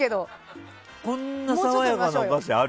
こんな爽やかなお菓子ある？